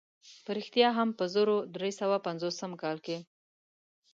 په رښتیا هم په زرو درې سوه پنځوسم کال کې.